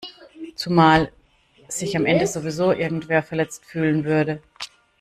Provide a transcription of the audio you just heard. Zumal sich am Ende sowieso irgendwer verletzt fühlen würde.